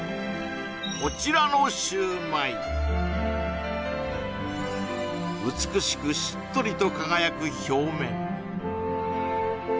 こちらのシューマイ美しくしっとりと輝く表面